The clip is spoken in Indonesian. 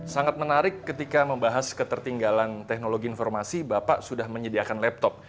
sangat menarik ketika membahas ketertinggalan teknologi informasi bapak sudah menyediakan laptop